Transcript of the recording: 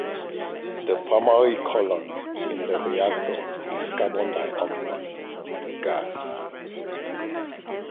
The primary coolant in the reactors is carbon dioxide gas.